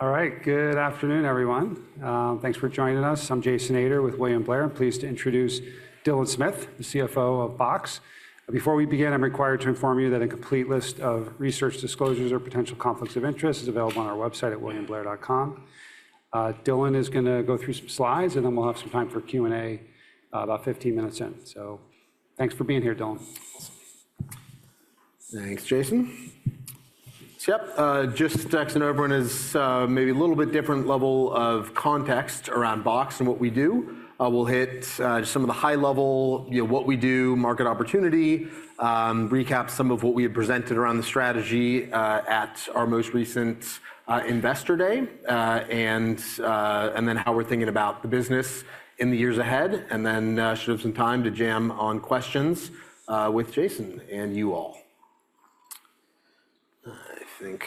All right, good afternoon, everyone. Thanks for joining us. I'm Jason Ader with William Blair. I'm pleased to introduce Dylan Smith, the CFO of Box. Before we begin, I'm required to inform you that a complete list of research disclosures or potential conflicts of interest is available on our website at williamblair.com. Dylan is going to go through some slides, and then we'll have some time for Q&A about 15 minutes in. Thanks for being here, Dylan. Thanks, Jason. Yep, just to tack on, everyone's maybe a little bit different level of context around Box and what we do. We'll hit some of the high level, you know, what we do, market opportunity, recap some of what we had presented around the strategy at our most recent Investor Day, and then how we're thinking about the business in the years ahead. Should have some time to jam on questions with Jason and you all. I think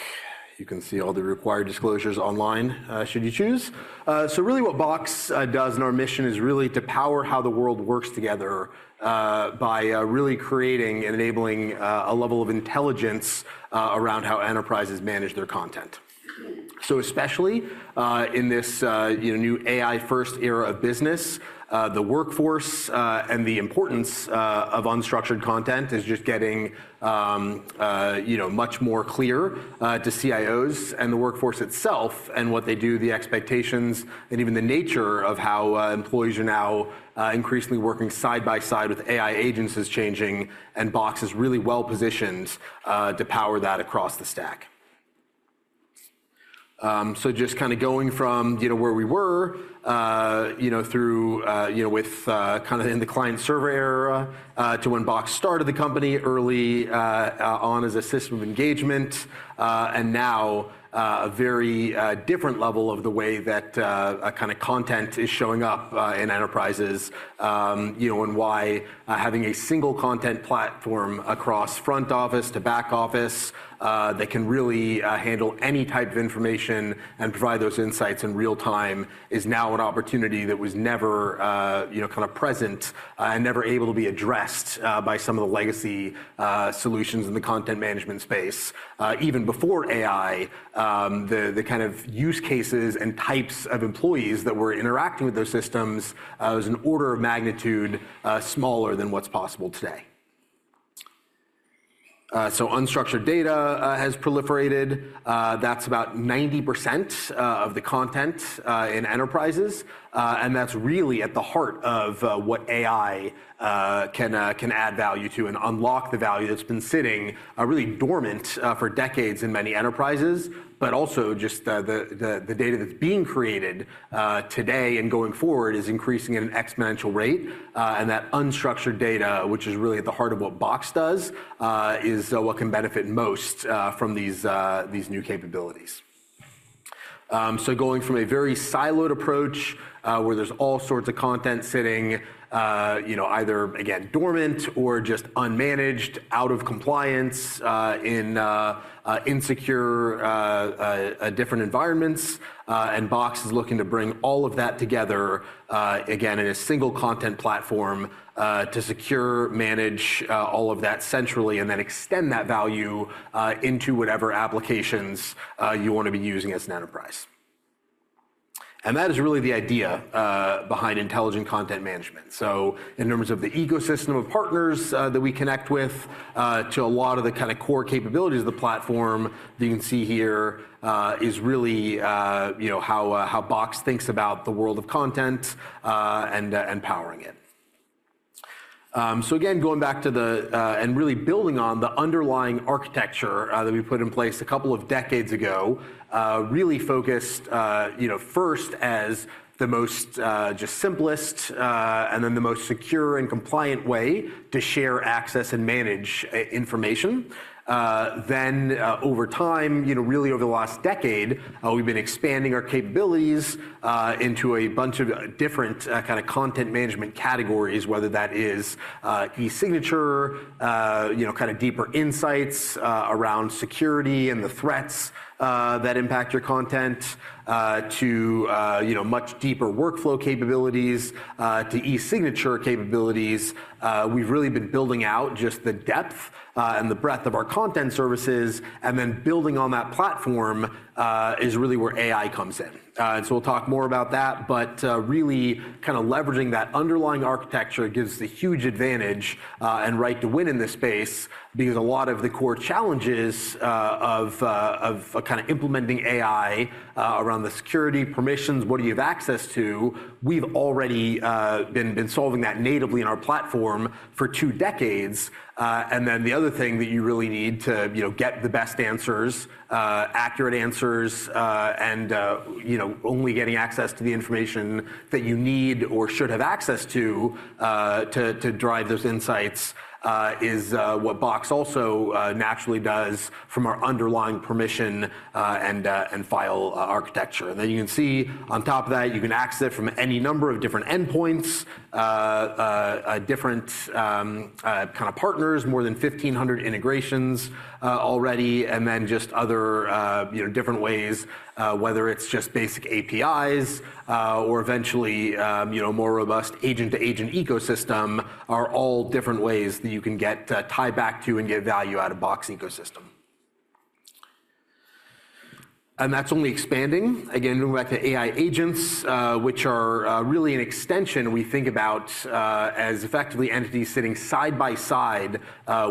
you can see all the required disclosures online should you choose. Really what Box does and our mission is really to power how the world works together by really creating and enabling a level of intelligence around how enterprises manage their content. Especially in this new AI-first era of business, the workforce and the importance of unstructured content is just getting much more clear to CIOs and the workforce itself and what they do, the expectations, and even the nature of how employees are now increasingly working side by side with AI agents is changing, and Box is really well positioned to power that across the stack. Just kind of going from where we were through with kind of in the client survey era to when Box started the company early on as a system of engagement, and now a very different level of the way that kind of content is showing up in enterprises and why having a single content platform across front office to back office that can really handle any type of information and provide those insights in real time is now an opportunity that was never kind of present and never able to be addressed by some of the legacy solutions in the content management space. Even before AI, the kind of use cases and types of employees that were interacting with those systems was an order of magnitude smaller than what's possible today. Unstructured data has proliferated. That's about 90% of the content in enterprises. That is really at the heart of what AI can add value to and unlock the value that's been sitting really dormant for decades in many enterprises. Also, just the data that's being created today and going forward is increasing at an exponential rate. That unstructured data, which is really at the heart of what Box does, is what can benefit most from these new capabilities. Going from a very siloed approach where there's all sorts of content sitting either, again, dormant or just unmanaged, out of compliance in insecure different environments, Box is looking to bring all of that together again in a single content platform to secure, manage all of that centrally, and then extend that value into whatever applications you want to be using as an enterprise. That is really the idea behind intelligent content management. In terms of the ecosystem of partners that we connect with, to a lot of the kind of core capabilities of the platform that you can see here is really how Box thinks about the world of content and powering it. Again, going back to the and really building on the underlying architecture that we put in place a couple of decades ago, really focused first as the most just simplest and then the most secure and compliant way to share, access, and manage information. Over time, really over the last decade, we've been expanding our capabilities into a bunch of different kind of content management categories, whether that is e-signature, kind of deeper insights around security and the threats that impact your content to much deeper workflow capabilities to e-signature capabilities. We've really been building out just the depth and the breadth of our content services. Building on that platform is really where AI comes in. We'll talk more about that. Really kind of leveraging that underlying architecture gives us a huge advantage and right to win in this space because a lot of the core challenges of kind of implementing AI around the security permissions, what do you have access to, we've already been solving that natively in our platform for two decades. The other thing that you really need to get the best answers, accurate answers, and only getting access to the information that you need or should have access to to drive those insights is what Box also naturally does from our underlying permission and file architecture. You can see on top of that, you can access it from any number of different endpoints, different kind of partners, more than 1,500 integrations already, and then just other different ways, whether it is just basic APIs or eventually a more robust agent-to-agent ecosystem are all different ways that you can get to tie back to and get value out of Box ecosystem. That is only expanding. Again, going back to AI agents, which are really an extension we think about as effectively entities sitting side by side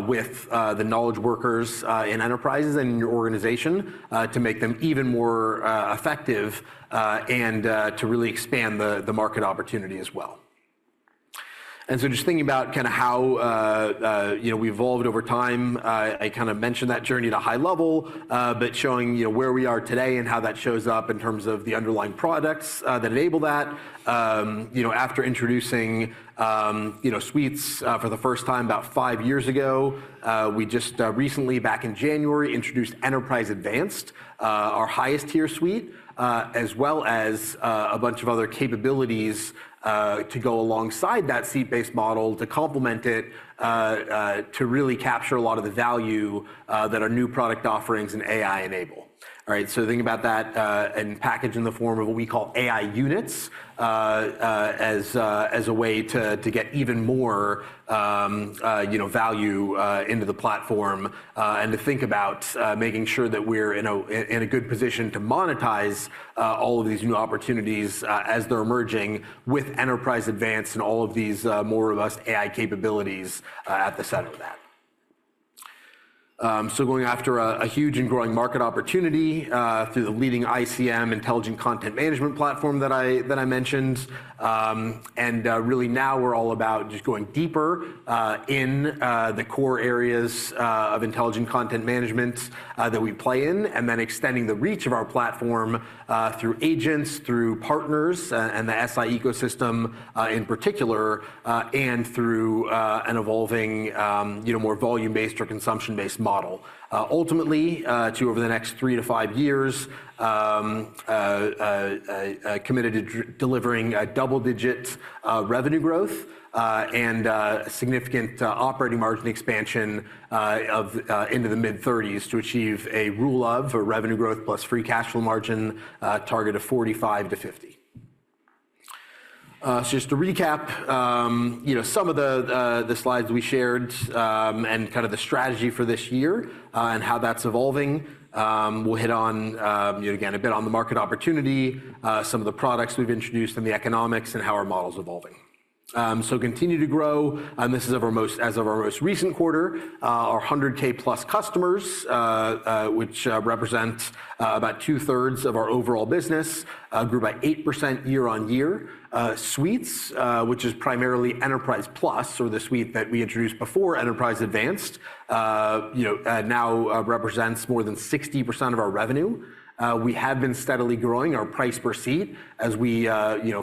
with the knowledge workers in enterprises and in your organization to make them even more effective and to really expand the market opportunity as well. Just thinking about kind of how we've evolved over time, I kind of mentioned that journey at a high level, but showing where we are today and how that shows up in terms of the underlying products that enable that. After introducing suites for the first time about five years ago, we just recently, back in January, introduced Enterprise Advanced, our highest tier suite, as well as a bunch of other capabilities to go alongside that suite-based model to complement it, to really capture a lot of the value that our new product offerings and AI enable. All right, so think about that and package in the form of what we call AI units as a way to get even more value into the platform and to think about making sure that we're in a good position to monetize all of these new opportunities as they're emerging with Enterprise Advanced and all of these more robust AI capabilities at the center of that. Going after a huge and growing market opportunity through the leading ICM, Intelligent Content Management platform that I mentioned. Really now we're all about just going deeper in the core areas of intelligent content management that we play in and then extending the reach of our platform through agents, through partners, and the SI ecosystem in particular, and through an evolving, more volume-based or consumption-based model. Ultimately, over the next three to five years, committed to delivering double-digit revenue growth and significant operating margin expansion into the mid-30s to achieve a rule of revenue growth plus free cash flow margin target of 45-50%. Just to recap some of the slides we shared and kind of the strategy for this year and how that's evolving, we'll hit on again a bit on the market opportunity, some of the products we've introduced and the economics and how our model's evolving. Continue to grow. This is as of our most recent quarter, our $100,000 plus customers, which represent about two-thirds of our overall business, grew by 8% year-on-year. Suites, which is primarily Enterprise Plus or the suite that we introduced before Enterprise Advanced, now represents more than 60% of our revenue. We have been steadily growing our price per seat as we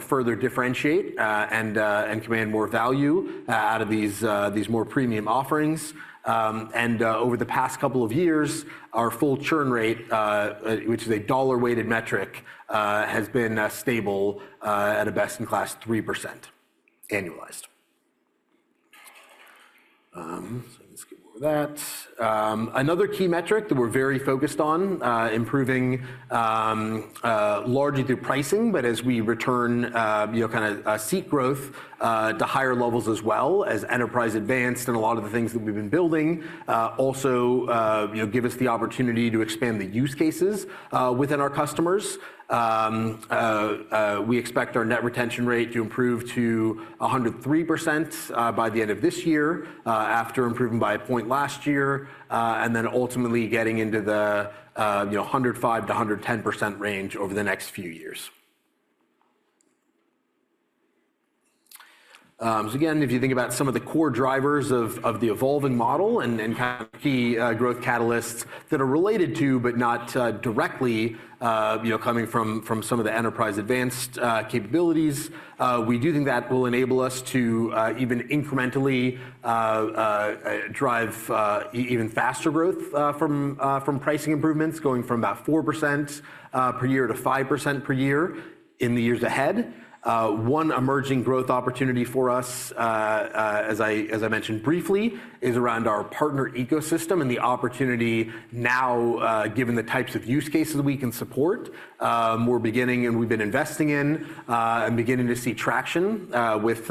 further differentiate and command more value out of these more premium offerings. Over the past couple of years, our full churn rate, which is a dollar-weighted metric, has been stable at a best in class 3% annualized. Another key metric that we're very focused on, improving largely through pricing, but as we return kind of seat growth to higher levels as well as Enterprise Advanced and a lot of the things that we've been building, also give us the opportunity to expand the use cases within our customers. We expect our net retention rate to improve to 103% by the end of this year after improving by a point last year, and then ultimately getting into the 105-110% range over the next few years. If you think about some of the core drivers of the evolving model and kind of key growth catalysts that are related to, but not directly coming from some of the Enterprise Advanced capabilities, we do think that will enable us to even incrementally drive even faster growth from pricing improvements, going from about 4% per year to 5% per year in the years ahead. One emerging growth opportunity for us, as I mentioned briefly, is around our partner ecosystem and the opportunity now, given the types of use cases we can support, we're beginning and we've been investing in and beginning to see traction with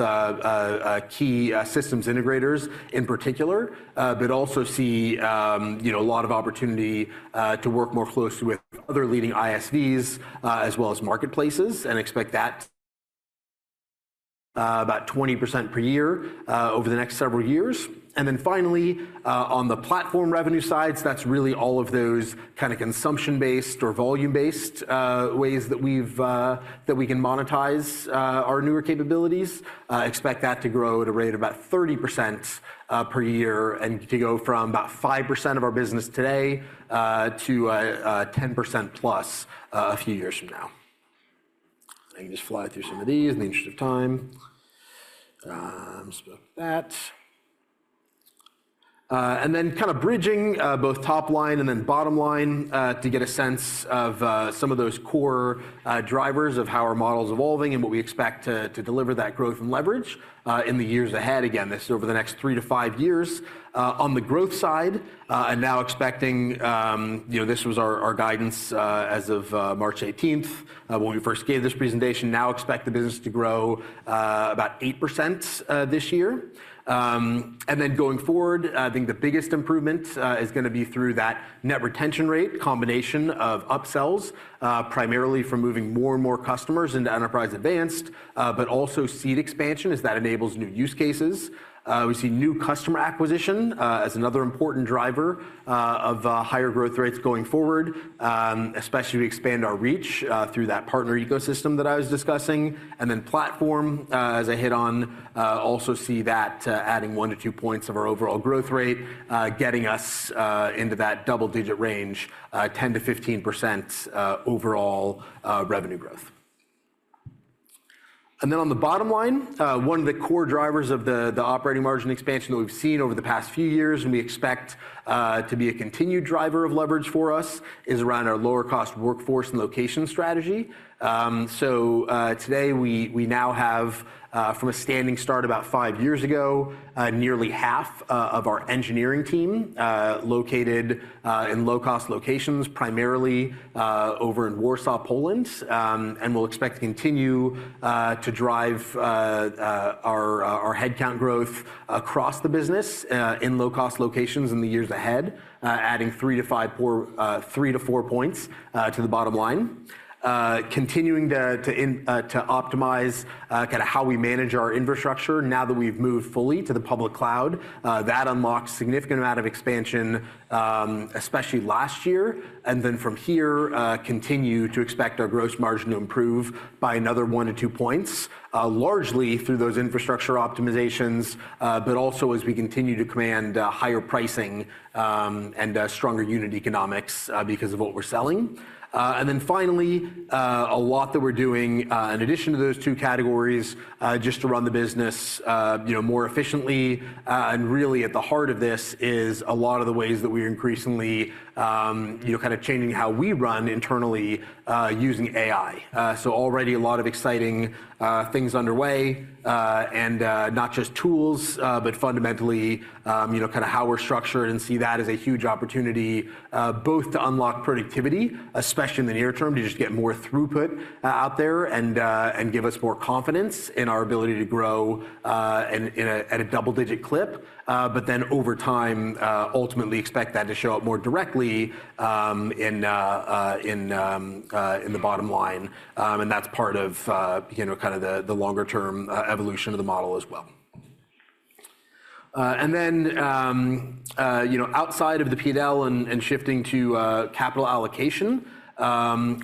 key systems integrators in particular, but also see a lot of opportunity to work more closely with other leading ISVs as well as marketplaces and expect that about 20% per year over the next several years. On the platform revenue sides, that's really all of those kind of consumption-based or volume-based ways that we can monetize our newer capabilities. Expect that to grow at a rate of about 30% per year and to go from about 5% of our business today to 10% plus a few years from now. I can just fly through some of these in the interest of time. Kind of bridging both top line and then bottom line to get a sense of some of those core drivers of how our model's evolving and what we expect to deliver that growth and leverage in the years ahead. Again, this is over the next three to five years on the growth side. Now expecting this was our guidance as of March 18th when we first gave this presentation. Now expect the business to grow about 8% this year. Going forward, I think the biggest improvement is going to be through that net retention rate combination of upsells primarily for moving more and more customers into Enterprise Advanced, but also seed expansion as that enables new use cases. We see new customer acquisition as another important driver of higher growth rates going forward, especially to expand our reach through that partner ecosystem that I was discussing. Platform, as I hit on, also see that adding one to two points of our overall growth rate getting us into that double-digit range, 10-15% overall revenue growth. One of the core drivers of the operating margin expansion that we have seen over the past few years and we expect to be a continued driver of leverage for us is around our lower-cost workforce and location strategy. Today we now have, from a standing start about five years ago, nearly half of our engineering team located in low-cost locations primarily over in Warsaw, Poland. We will expect to continue to drive our headcount growth across the business in low-cost locations in the years ahead, adding three to four points to the bottom line. Continuing to optimize kind of how we manage our infrastructure now that we have moved fully to the public cloud, that unlocks a significant amount of expansion, especially last year. From here, continue to expect our gross margin to improve by another one to two points, largely through those infrastructure optimizations, but also as we continue to command higher pricing and stronger unit economics because of what we are selling. Finally, a lot that we are doing in addition to those two categories just to run the business more efficiently. Really at the heart of this is a lot of the ways that we are increasingly kind of changing how we run internally using AI. Already a lot of exciting things underway and not just tools, but fundamentally kind of how we are structured and see that as a huge opportunity both to unlock productivity, especially in the near term, to just get more throughput out there and give us more confidence in our ability to grow at a double-digit clip. Over time, ultimately expect that to show up more directly in the bottom line. That is part of kind of the longer-term evolution of the model as well. Outside of the P&L and shifting to capital allocation,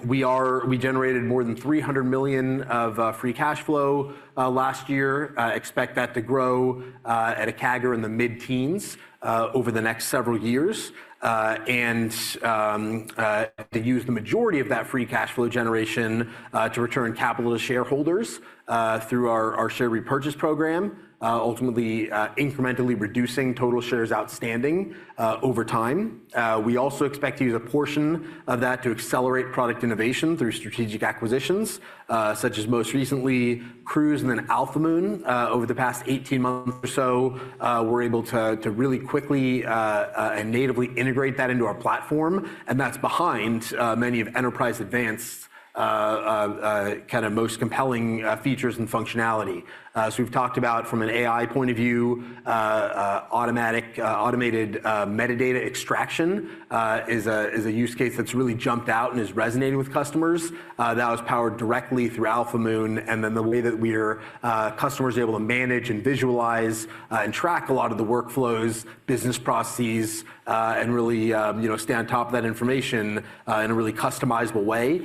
we generated more than $300 million of free cash flow last year. Expect that to grow at a CAGR in the mid-teens over the next several years and to use the majority of that free cash flow generation to return capital to shareholders through our share repurchase program, ultimately incrementally reducing total shares outstanding over time. We also expect to use a portion of that to accelerate product innovation through strategic acquisitions, such as most recently Crooze and then uncertain. Over the past 18 months or so, we are able to really quickly and natively integrate that into our platform. That is behind many of Enterprise Advanced's kind of most compelling features and functionality. We have talked about from an AI point of view, automatic automated metadata extraction is a use case that has really jumped out and has resonated with customers. That was powered directly through uncertain. The way that our customers are able to manage and visualize and track a lot of the workflows, business processes, and really stay on top of that information in a really customizable way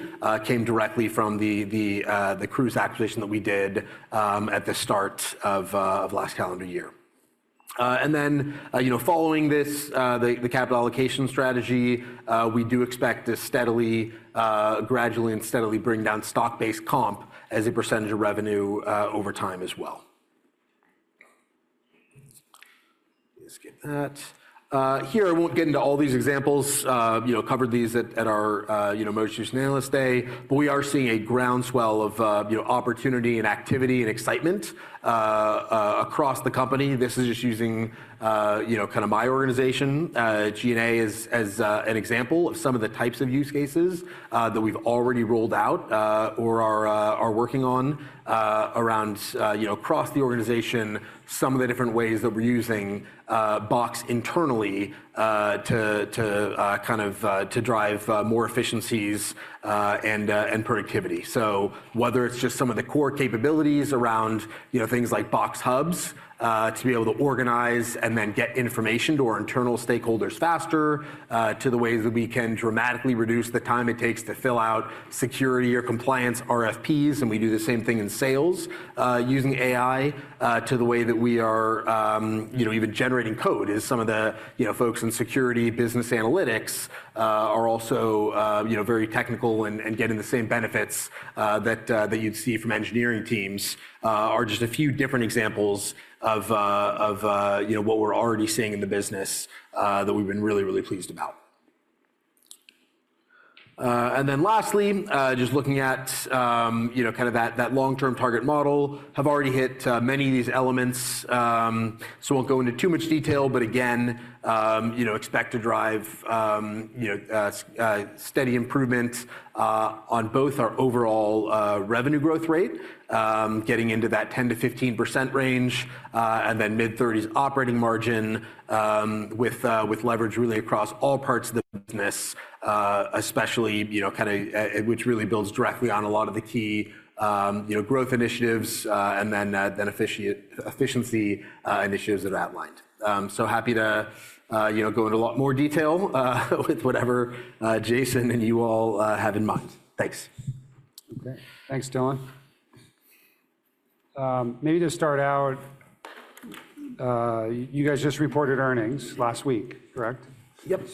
came directly from the Crooze acquisition that we did at the start of last calendar year. Following this, the capital allocation strategy, we do expect to gradually and steadily bring down stock-based comp as a percentage of revenue over time as well. Let's skip that. Here, I won't get into all these examples, covered these at our most recent analyst day, but we are seeing a groundswell of opportunity and activity and excitement across the company. This is just using kind of my organization, G&A, as an example of some of the types of use cases that we've already rolled out or are working on around across the organization, some of the different ways that we're using Box internally to kind of drive more efficiencies and productivity. Whether it's just some of the core capabilities around things like Box Hubs to be able to organize and then get information to our internal stakeholders faster, to the ways that we can dramatically reduce the time it takes to fill out security or compliance RFPs. We do the same thing in sales using AI. The way that we are even generating code is some of the folks in security, business analytics are also very technical and getting the same benefits that you'd see from engineering teams are just a few different examples of what we're already seeing in the business that we've been really, really pleased about. Lastly, just looking at kind of that long-term target model, have already hit many of these elements. I won't go into too much detail, but again, expect to drive steady improvement on both our overall revenue growth rate, getting into that 10-15% range, and then mid-30s operating margin with leverage really across all parts of the business, especially kind of which really builds directly on a lot of the key growth initiatives and then efficiency initiatives that are outlined. So happy to go into a lot more detail with whatever Jason and you all have in mind. Thanks. Okay. Thanks, Dylan. Maybe to start out, you guys just reported earnings last week, correct? Yep.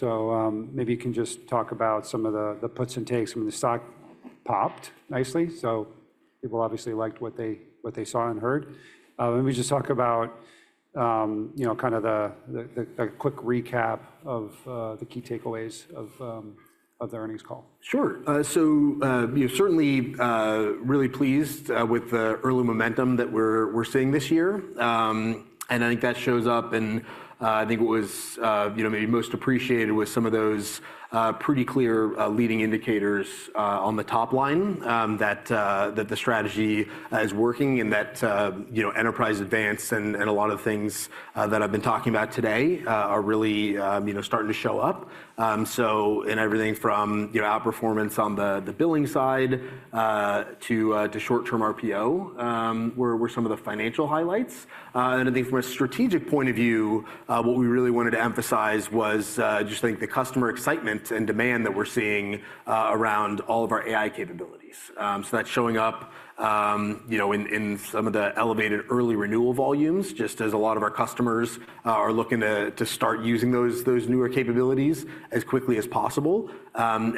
Maybe you can just talk about some of the puts and takes. I mean, the stock popped nicely. People obviously liked what they saw and heard. Maybe just talk about kind of a quick recap of the key takeaways of the earnings call. Sure. Certainly really pleased with the early momentum that we're seeing this year. I think that shows up in, I think what was maybe most appreciated was some of those pretty clear leading indicators on the top line that the strategy is working and that Enterprise Advanced and a lot of things that I've been talking about today are really starting to show up. In everything from outperformance on the billing side to short-term RPO were some of the financial highlights. I think from a strategic point of view, what we really wanted to emphasize was just the customer excitement and demand that we're seeing around all of our AI capabilities. That is showing up in some of the elevated early renewal volumes just as a lot of our customers are looking to start using those newer capabilities as quickly as possible.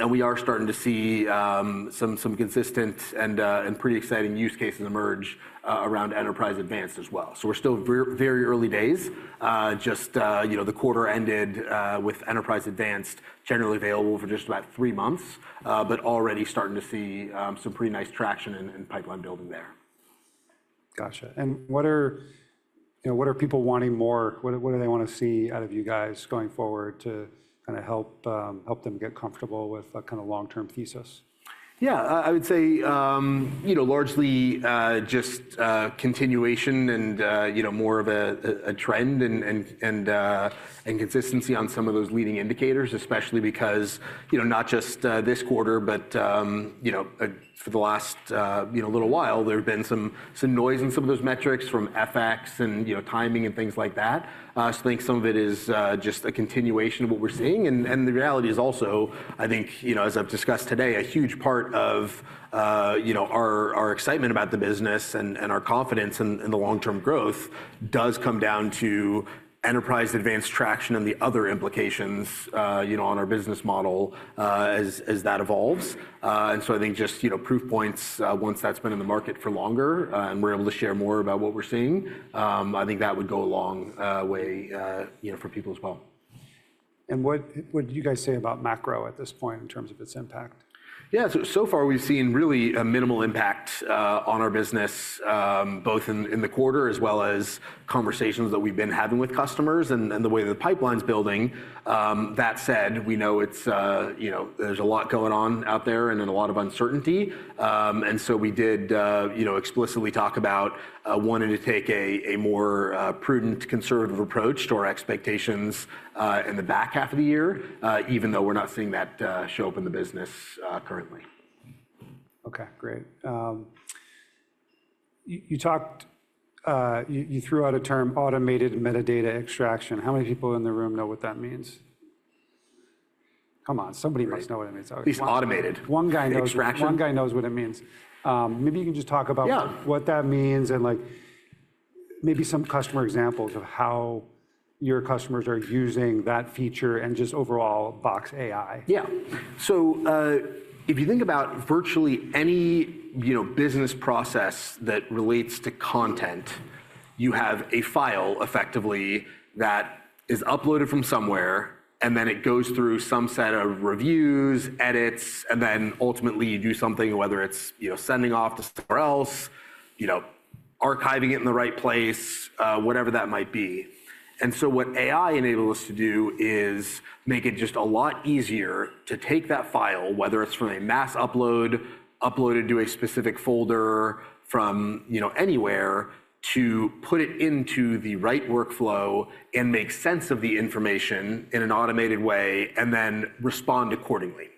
We are starting to see some consistent and pretty exciting use cases emerge around Enterprise Advanced as well. We're still very early days. The quarter ended with Enterprise Advanced generally available for just about three months, but already starting to see some pretty nice traction and pipeline building there. Gotcha. What are people wanting more? What do they want to see out of you guys going forward to kind of help them get comfortable with a kind of long-term thesis? Yeah. I would say largely just continuation and more of a trend and consistency on some of those leading indicators, especially because not just this quarter, but for the last little while, there have been some noise in some of those metrics from FX and timing and things like that. I think some of it is just a continuation of what we're seeing. The reality is also, I think as I've discussed today, a huge part of our excitement about the business and our confidence in the long-term growth does come down to Enterprise Advanced traction and the other implications on our business model as that evolves. I think just proof points once that's been in the market for longer and we're able to share more about what we're seeing, I think that would go a long way for people as well. What do you guys say about macro at this point in terms of its impact? Yeah. So far we've seen really a minimal impact on our business, both in the quarter as well as conversations that we've been having with customers and the way that the pipeline's building. That said, we know there's a lot going on out there and a lot of uncertainty. We did explicitly talk about wanting to take a more prudent, conservative approach to our expectations in the back half of the year, even though we're not seeing that show up in the business currently. Okay. Great. You threw out a term, Automated metadata extraction. How many people in the room know what that means? Come on. Somebody must know what it means. At least automated. One guy knows what it means. Maybe you can just talk about what that means and maybe some customer examples of how your customers are using that feature and just overall Box AI. Yeah. If you think about virtually any business process that relates to content, you have a file effectively that is uploaded from somewhere, and then it goes through some set of reviews, edits, and then ultimately you do something, whether it's sending off to somewhere else, archiving it in the right place, whatever that might be. What AI enables us to do is make it just a lot easier to take that file, whether it's from a mass upload, uploaded to a specific folder from anywhere, to put it into the right workflow and make sense of the information in an automated way and then respond accordingly.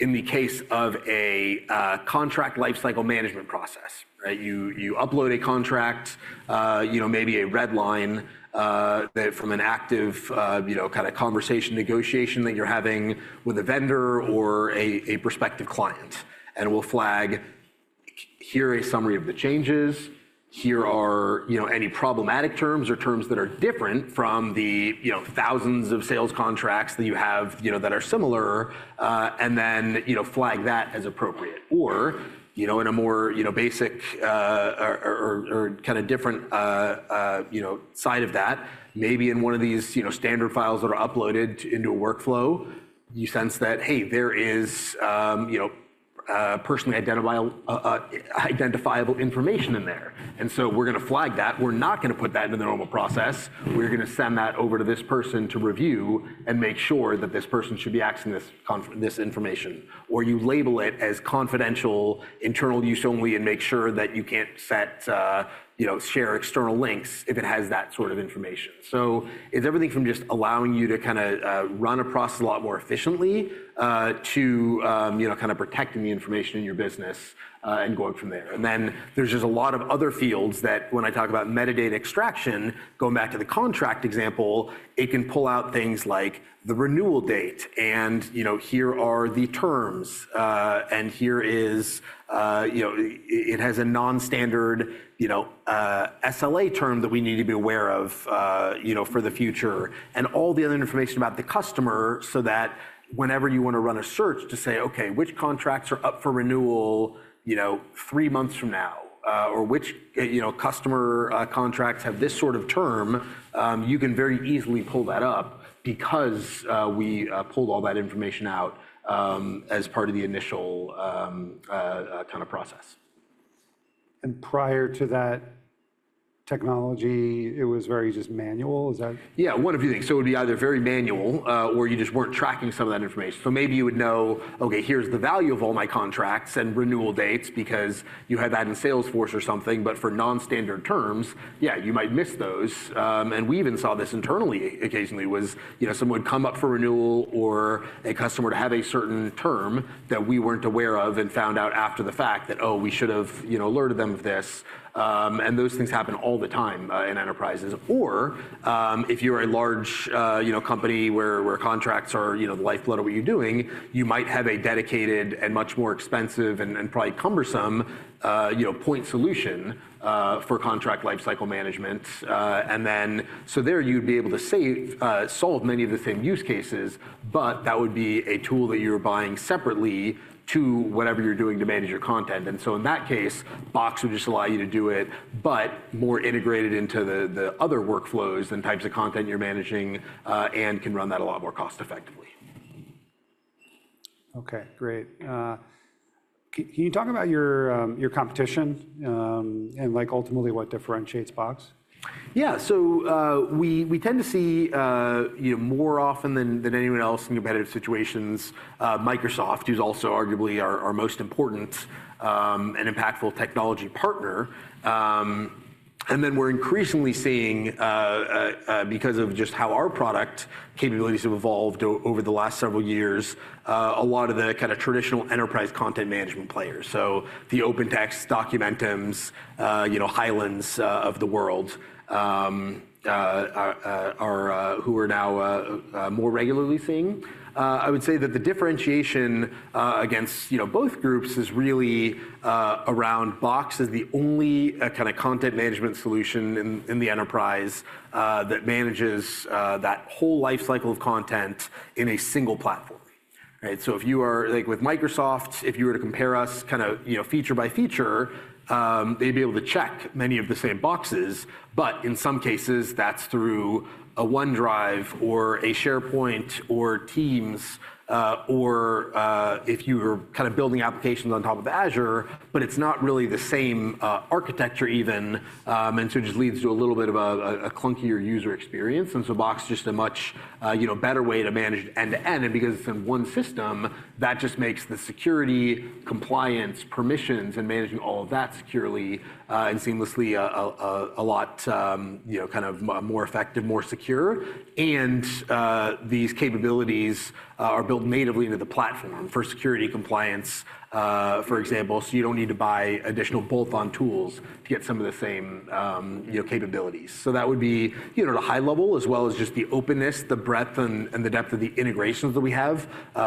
In the case of a contract lifecycle management process, you upload a contract, maybe a red line from an active kind of conversation negotiation that you're having with a vendor or a prospective client. We'll flag, "Here are a summary of the changes. Here are any problematic terms or terms that are different from the thousands of sales contracts that you have that are similar," and then flag that as appropriate. Or in a more basic or kind of different side of that, maybe in one of these standard files that are uploaded into a workflow, you sense that, "Hey, there is personally identifiable information in there." We are going to flag that. We are not going to put that into the normal process. We are going to send that over to this person to review and make sure that this person should be accessing this information. You label it as confidential, internal use only, and make sure that you cannot share external links if it has that sort of information. It is everything from just allowing you to kind of run a process a lot more efficiently to kind of protecting the information in your business and going from there. There is just a lot of other fields that, when I talk about metadata extraction, going back to the contract example, it can pull out things like the renewal date and here are the terms and here is it has a non-standard SLA term that we need to be aware of for the future and all the other information about the customer so that whenever you want to run a search to say, "Okay, which contracts are up for renewal three months from now?" or, "Which customer contracts have this sort of term?" you can very easily pull that up because we pulled all that information out as part of the initial kind of process. Prior to that technology, it was very just manual. Is that? Yeah, one of two things. It would be either very manual or you just were not tracking some of that information. Maybe you would know, "Okay, here's the value of all my contracts and renewal dates," because you had that in Salesforce or something. For non-standard terms, yeah, you might miss those. We even saw this internally occasionally when someone would come up for renewal or a customer would have a certain term that we were not aware of and found out after the fact that, "Oh, we should have alerted them of this." Those things happen all the time in enterprises. If you are a large company where contracts are the lifeblood of what you are doing, you might have a dedicated and much more expensive and probably cumbersome point solution for contract lifecycle management. There you would be able to solve many of the same use cases, but that would be a tool that you are buying separately to whatever you are doing to manage your content. In that case, Box would just allow you to do it, but more integrated into the other workflows and types of content you're managing and can run that a lot more cost-effectively. Okay. Great. Can you talk about your competition and ultimately what differentiates Box? Yeah. We tend to see more often than anyone else in competitive situations, Microsoft, who's also arguably our most important and impactful technology partner. We are increasingly seeing, because of just how our product capabilities have evolved over the last several years, a lot of the kind of traditional enterprise content management players. The OpenText, Hyland of the world, who we're now more regularly seeing. I would say that the differentiation against both groups is really around Box as the only kind of content management solution in the enterprise that manages that whole lifecycle of content in a single platform. Right? If you are with Microsoft, if you were to compare us kind of feature by feature, they'd be able to check many of the same boxes, but in some cases, that's through a OneDrive or a SharePoint or Teams or if you were kind of building applications on top of Azure, but it's not really the same architecture even, and it just leads to a little bit of a clunkier user experience. Box is just a much better way to manage end-to-end. Because it's in one system, that just makes the security, compliance, permissions, and managing all of that securely and seamlessly a lot more effective, more secure. These capabilities are built natively into the platform for security compliance, for example, so you don't need to buy additional bolt-on tools to get some of the same capabilities. That would be the high level as well as just the openness, the breadth, and the depth of the integrations that we have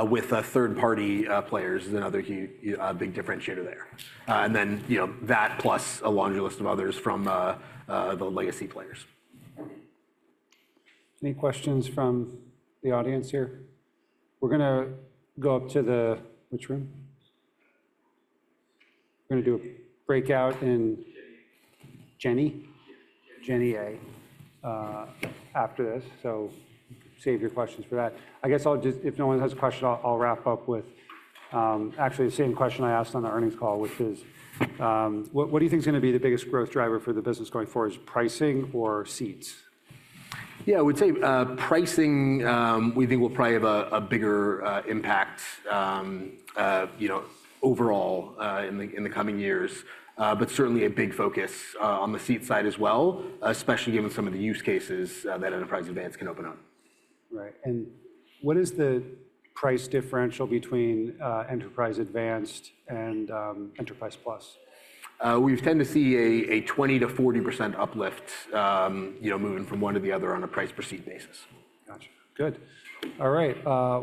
with third-party players is another big differentiator there. That plus a laundry list of others from the legacy players. Any questions from the audience here? We're going to go up to the which room? We're going to do a breakout in uncertain after this. Save your questions for that. I guess if no one has a question, I'll wrap up with actually the same question I asked on the earnings call, which is, what do you think is going to be the biggest growth driver for the business going forward? Is it pricing or seats? Yeah. I would say pricing, we think will probably have a bigger impact overall in the coming years, but certainly a big focus on the seat side as well, especially given some of the use cases that Enterprise Advanced can open up. Right. And what is the price differential between Enterprise Advanced and Enterprise Plus? We tend to see a 20-40% uplift moving from one to the other on a price per seat basis. Gotcha. Good. All right.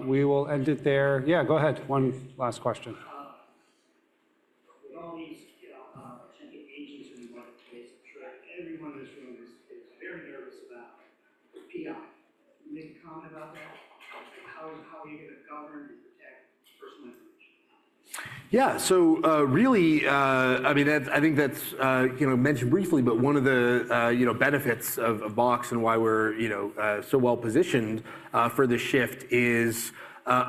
We will end it there. Yeah. Go ahead. One last question. We always attend to agents and we want to track. Everyone in this room is very nervous about PII. Can you make a comment about that? How are you going to govern and protect personal information? Yeah. So really, I mean, I think that's mentioned briefly, but one of the benefits of Box and why we're so well positioned for this shift is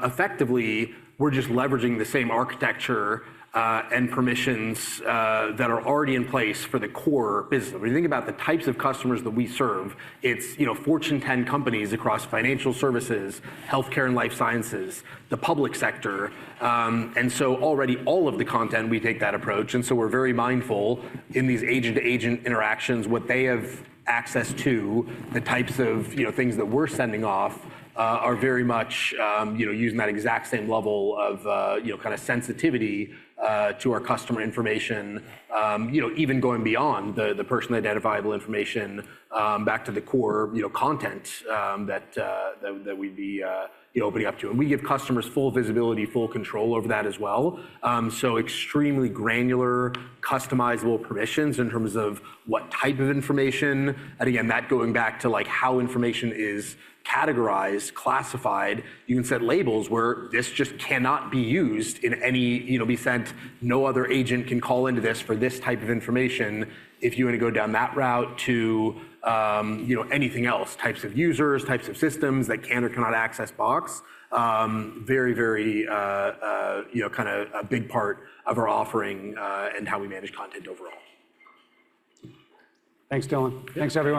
effectively we're just leveraging the same architecture and permissions that are already in place for the core business. When you think about the types of customers that we serve, it's Fortune 10 companies across financial services, healthcare and life sciences, the public sector. Already all of the content, we take that approach. We're very mindful in these agent-to-agent interactions, what they have access to, the types of things that we're sending off are very much using that exact same level of kind of sensitivity to our customer information, even going beyond the personally identifiable information back to the core content that we'd be opening up to. We give customers full visibility, full control over that as well. Extremely granular, customizable permissions in terms of what type of information. Again, that going back to how information is categorized, classified, you can set labels where this just cannot be used in any, be sent, no other agent can call into this for this type of information if you want to go down that route to anything else, types of users, types of systems that can or cannot access Box. Very, very kind of a big part of our offering and how we manage content overall. Thanks, Dylan. Thanks everyone.